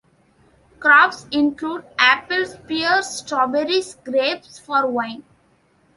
Crops include apples, pears, strawberries, grapes for wine.